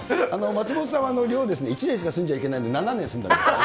松本さんは、寮を１年しか住んじゃいけないのに、７年住んだから。